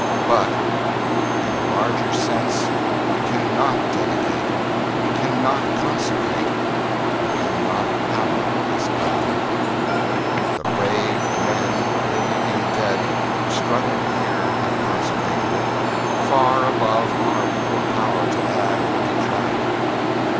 But, in a larger sense, we cannot dedicate. . .we cannot consecrate. .. we cannot hallow this ground. The brave men, living and dead, who struggled here have consecrated it, far above our poor power to add or detract.